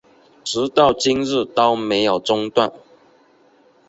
直到今日都没有中断